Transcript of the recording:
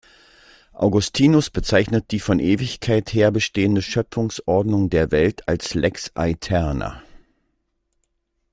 Augustinus bezeichnet die von Ewigkeit her bestehende Schöpfungsordnung der Welt als "lex aeterna".